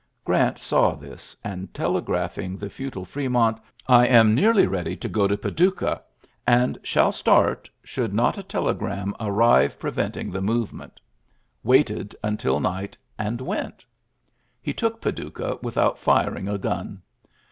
Grant saw this, and, te graphing the futile Fremont, ^'I 8 nearly ready to go to Paducah, and shi start^ should not a telegram arrive pi I ULYSSES S. GEANT 53 /' ventiiig the mbvement," waited till I nighty and went He took Paducah withont firing a gun.